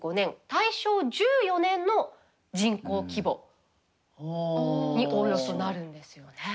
大正１４年の人口規模におおよそなるんですよね。